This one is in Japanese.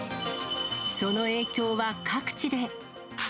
その影響は、各地で。